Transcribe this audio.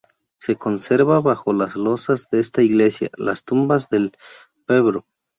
Se conserva bajo las lozas de esta Iglesia, las tumbas del Pbro.